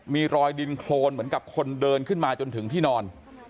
มีรอยดินโครนเหมือนกับคนเดินขึ้นมาจนถึงที่นอน